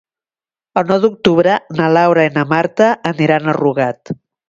El nou d'octubre na Laura i na Marta aniran a Rugat.